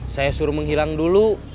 saya suruh menghilang dulu